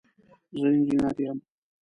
زه انجنیر یم